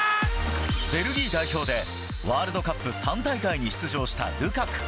ベルギー代表で、ワールドカップ３大会に出場したルカク。